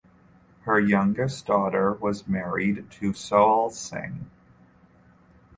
Her youngest daughter was married to Sohel Singh.